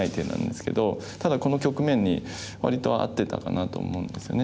ただこの局面に割と合ってたかなと思うんですよね。